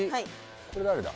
これ誰だ？